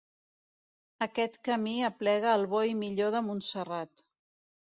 Aquest camí aplega el bo i millor de Montserrat.